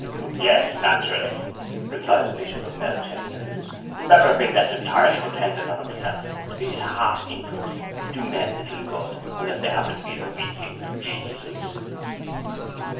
'Yes, naturally,' replied the Bishop of Melchester. 'Better have been left entirely dependent on himself. These half incomes do men little good, unless they happen to be either weaklings or geniuses.'